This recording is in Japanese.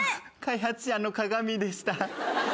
開発者の鑑でした。